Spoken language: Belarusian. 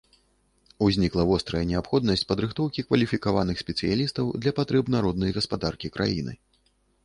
Узнікла вострая неабходнасць падрыхтоўкі кваліфікаваных спецыялістаў для патрэб народнай гаспадаркі краіны.